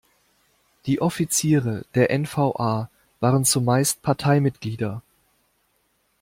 Die Offiziere der N-V-A waren zumeist Parteimitglieder.